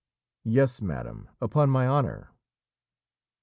"Yes, madam, upon my honour."